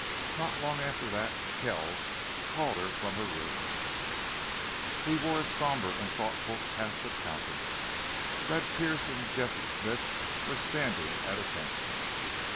Not long after that Kells called her from her room. He wore his somber and thoughtful cast of countenance. Red Pearce and Jesse Smith were standing at attention.